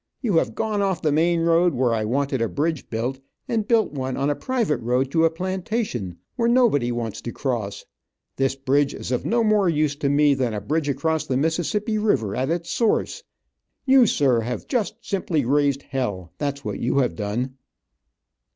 You have gone off the main road, where I wanted a bridge built, and built one on a private road to a plantation, where nobody wants to cross. This bridge is of no more use to me than a bridge across the Mississippi river at its source. You, sir, have just simply raised hell, that's what you have done."